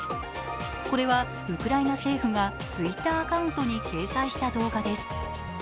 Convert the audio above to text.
これはウクライナ政府がツイッターアカウントに掲載した動画です。